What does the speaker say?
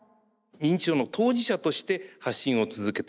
認知症の当事者として発信を続け